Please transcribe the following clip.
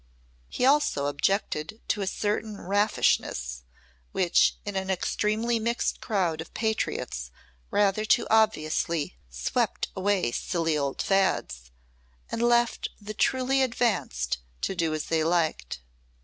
He also objected to a certain raffishness which in an extremely mixed crowd of patriots rather too obviously "swept away silly old fads" and left the truly advanced to do as they liked.